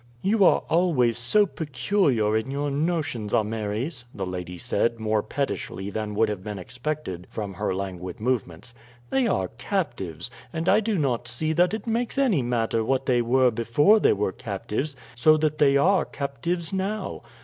"You are always so peculiar in your notions, Ameres," the lady said more pettishly than would have been expected from her languid movements. "They are captives; and I do not see that it makes any matter what they were before they were captives, so that they are captives now.